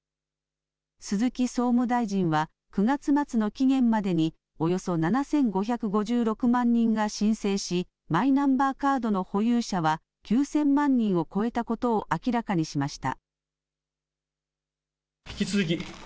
鈴木総務大臣は９月末の期限までにおよそ７５５６万人が申請しマイナンバーカードの保有者は９０００万人を超えたことを明らかにしました。